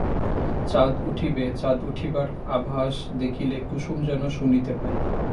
চাঁদ উঠিবে, চাঁদ উঠিবার আভাস দেখিলে কুসুম যেন শুনিতে পায়।